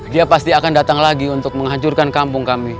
dia pasti akan datang lagi untuk menghancurkan kampung kami